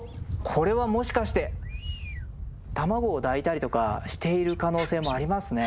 これはもしかして卵を抱いたりとかしている可能性もありますね。